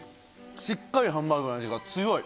しっかりハンバーグの味が強い